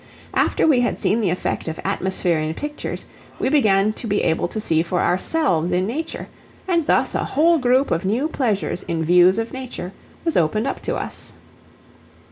After we had seen the effect of atmosphere in pictures we began to be able to see for ourselves in nature, and thus a whole group of new pleasures in views of nature was opened up to us.